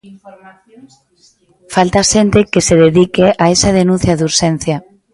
Falta xente que se dedique a esa denuncia de urxencia.